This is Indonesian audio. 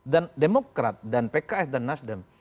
dan dpr dan pks dan nasdem